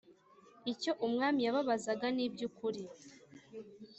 icyo umwami yababazaga nibyukuri